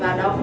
và hữu ích